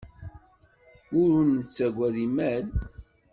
Win ur nettagad imal.